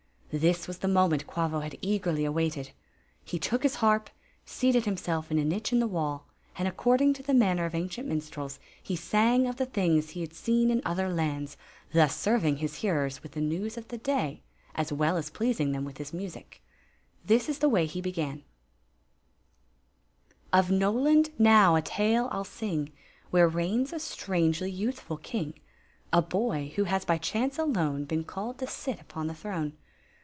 This was the mom^t Quavo had eagerly awaited. He to<^ his harp, seated him self in a niche of the wall, and, according to the man ner of ancient minstrels, he sang of the things he had seen in other lands, thus serving his hearers with the news of the day as well as pleasing them with his music This is the way he began: "Of Notoodnowatale I Using, Where reigns a strangely youthful kii^ A boy, who has by chance aloiw Been called to sit upon a throne.